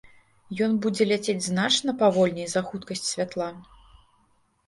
Ён будзе ляцець значна павольней за хуткасць святла.